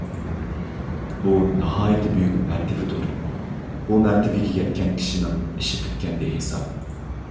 بۇ ناھايىتى بۈيۈك مەرتىۋىدۇر. بۇ مەرتىۋىگە يەتكەن كىشىنىڭ ئىشى پۈتكەندە ھېساب.